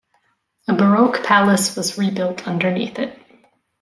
A Baroque palace was rebuilt underneath it.